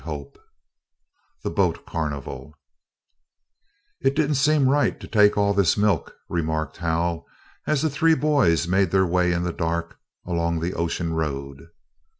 CHAPTER XIII THE BOAT CARNIVAL "It didn't seem right to take all this milk," remarked Hal, as the three boys made their way in the dark, along the ocean road.